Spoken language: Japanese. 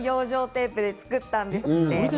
テープで作ったんです。